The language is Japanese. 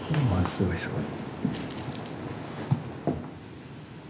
すごいすごい。